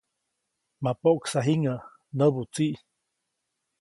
‒ma poʼksa jiŋäʼ‒ näbu tsiʼ.